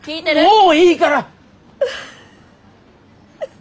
もういいから！